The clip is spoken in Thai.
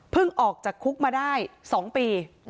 ออกจากคุกมาได้๒ปี